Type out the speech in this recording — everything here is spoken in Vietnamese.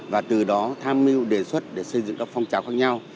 và từ đó tham mưu đề xuất để xây dựng các phong trào khác nhau